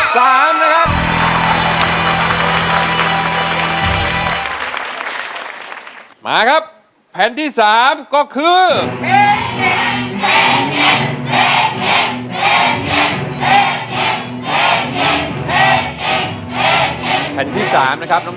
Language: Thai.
ใช้นะครับ